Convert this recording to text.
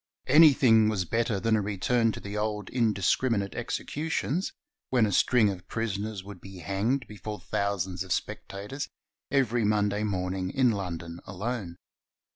Anything was better than a return to the old indiscriminate executions, when a string of prisoners would be hanged before thousands of spectators, every Monday morning in London alone.